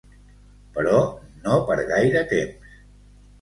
Però no per gaire temps.